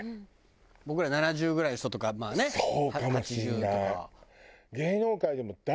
僕ら７０ぐらいの人とかまあね８０とか。